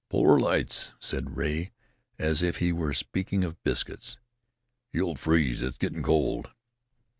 "Polar lights," said Rea, as if he were speaking of biscuits. "You'll freeze. It's gettin' cold."